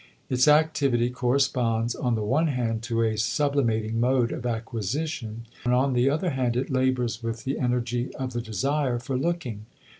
Its activity corresponds on the one hand to a sublimating mode of acquisition and on the other hand it labors with the energy of the desire for looking.